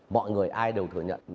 mọi người ai đều thừa nhận